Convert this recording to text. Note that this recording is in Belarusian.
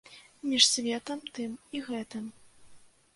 Між светам тым і гэтым.